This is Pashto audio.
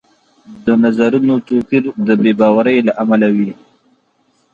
د نظرونو توپیر د بې باورۍ له امله وي